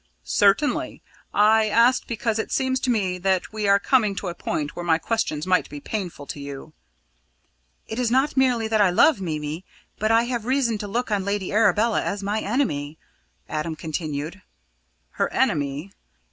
"Certainly! I asked because it seems to me that we are coming to a point where my questions might be painful to you." "It is not merely that I love Mimi, but I have reason to look on Lady Arabella as her enemy," Adam continued. "Her enemy?"